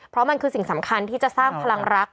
เพราะมันคือสิ่งสำคัญที่จะสร้างพลังรัก